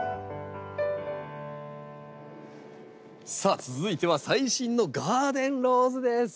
さあ続いては最新のガーデンローズです。